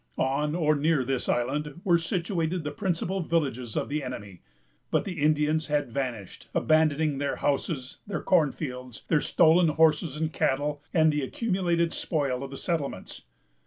On or near this island were situated the principal villages of the enemy. But the Indians had vanished, abandoning their houses, their cornfields, their stolen horses and cattle, and the accumulated spoil of the settlements.